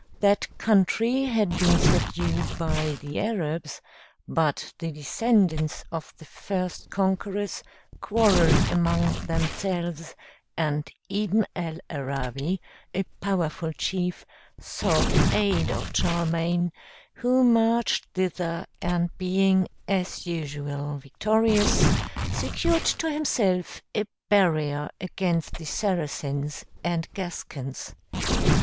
That country had been subdued by the Arabs, but the descendants of the first conquerors quarrelled among themselves, and Ibn al Arabi, a powerful chief, sought aid of Charlemagne, who marched thither, and being, as usual, victorious, secured to himself a barrier against the Saracens and Gascons.